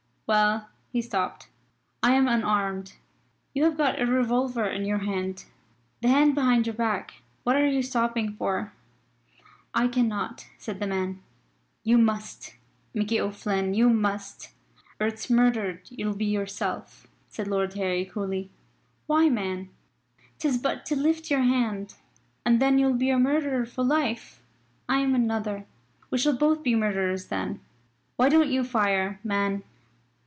Well?" he stopped. "I am unarmed. You have got a revolver in your hand the hand behind your back. What are you stopping for?" "I cannot," said the man. "You must, Mickey O'Flynn you must; or it's murdered you'll be yourself," said Lord Harry, coolly. "Why, man, 'tis but to lift your hand. And then you'll be a murderer for life. I am another we shall both be murderers then. Why don't you fire, man."